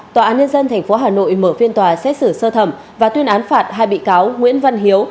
tòa án nhân dân tp hà nội mở phiên tòa xét xử sơ thẩm và tuyên án phạt hai bị cáo nguyễn văn hiếu